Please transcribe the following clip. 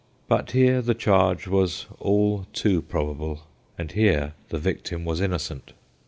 But here the charge was all too probable, and here the victim was innocent.